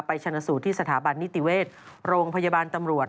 ชนะสูตรที่สถาบันนิติเวชโรงพยาบาลตำรวจ